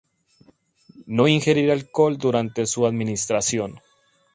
No ingerir alcohol durante su administración.